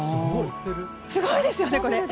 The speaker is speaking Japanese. すごいですよね。